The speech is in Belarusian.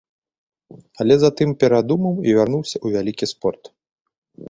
Але затым перадумаў і вярнуўся ў вялікі спорт.